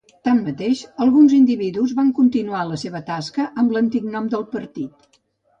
Tanmateix, alguns individus van continuar la seva tasca amb l'antic nom del partit.